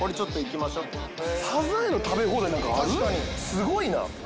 すごいな。